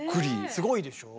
すごいでしょう。